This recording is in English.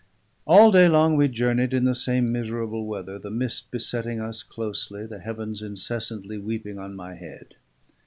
All day long we journeyed in the same miserable weather: the mist besetting us closely, the heavens incessantly weeping on my head.